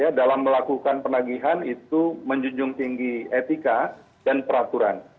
ya dalam melakukan penagihan itu menjunjung tinggi etika dan peraturan